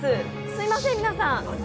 すみません、皆さん。